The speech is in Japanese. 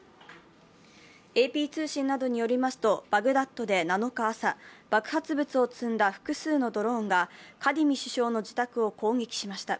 ＡＰ通信などによりますと、バグダッドで７日朝、爆発物を積んだ複数のドローンがカディミ首相の自宅を攻撃しました。